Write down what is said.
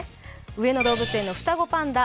上野動物園の双子パンダ